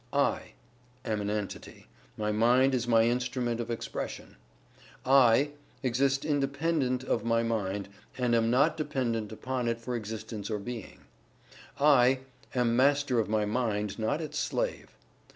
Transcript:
"I" am an entity my mind is my instrument of expression. "I" exist independent of my mind, and am not dependent upon it for existence or being. "I" am Master of my mind, not its slave.